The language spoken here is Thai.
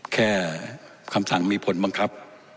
แค่คำสั่งมีผลประกับ